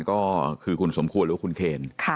ก็คือคุณสมควรหรือว่าคุณเคน